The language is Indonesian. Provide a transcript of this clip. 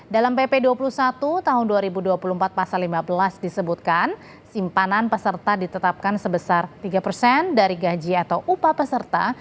dalam pp dua puluh satu tahun dua ribu dua puluh empat pasal lima belas disebutkan simpanan peserta ditetapkan sebesar tiga persen dari gaji atau upah peserta